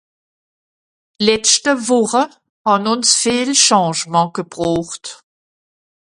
D’letschte Wùche hàn ùns viel Changement gebroocht.